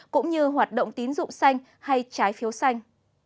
cũng như hoạt động tín dụng xanh hay trái phiếu xanh